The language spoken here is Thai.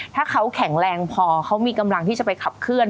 ถ้าเขาแข็งแรงพอเขามีกำลังที่จะไปขับเคลื